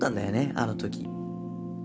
あの時。